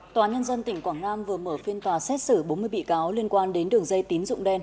tòa nhân dân tỉnh quảng nam vừa mở phiên tòa xét xử bốn mươi bị cáo liên quan đến đường dây tín dụng đen